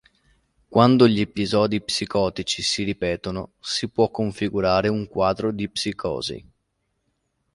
Quando gli episodi psicotici si ripetono si può configurare un quadro di psicosi.